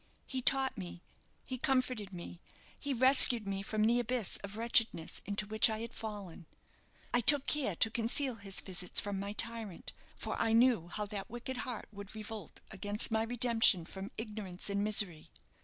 He taught me, he comforted me, he rescued me from the abyss of wretchedness into which I had fallen. I took care to conceal his visits from my tyrant, for I knew how that wicked heart would revolt against my redemption from ignorance and misery.